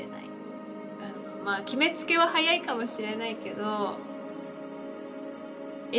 決めつけは早いかもしれないけどええ！